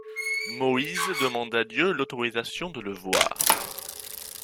Moïse demande à Dieu l'autorisation de le voir.